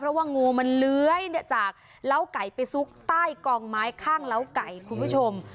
เพราะว่างูมันเลื้อยจากเล้าไก่ไปซุกใต้กองไม้ข้างเล้าไก่คุณผู้ชม